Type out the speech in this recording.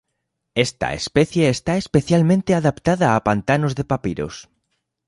Esta especie está especialmente adaptada a pantanos de papiros.